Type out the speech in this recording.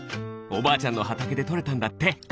おばあちゃんのはたけでとれたんだって。